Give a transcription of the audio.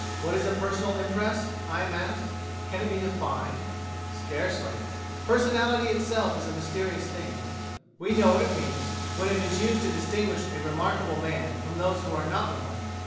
What is a personal impress? I am asked. Can it be defined? Scarcely. Personality itself is a mysterious thing. We know what it means when it is used to distinguish a remarkable man from those who are not remarkable.